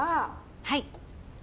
はい。